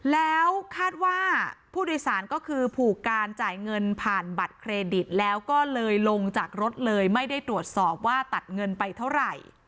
แล้วคาดว่าผู้โดยสารก็คือผูกการจ่ายเงินผ่านบัตรเครดิตแล้วก็เลยลงจากรถเลยไม่ได้ตรวจสอบว่าตัดเงินไปเท่าไหร่